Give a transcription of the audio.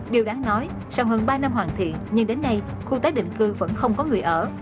điều đáng nói sau hơn ba năm hoàn thiện nhưng đến nay khu tái định cư vẫn không có người ở